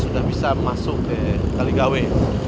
sudah bisa masuk ke kaligawe